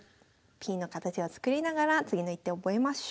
Ｐの形を作りながら次の一手覚えましょう。